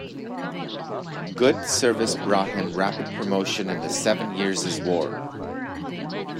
Good service brought him rapid promotion in the Seven Years' War.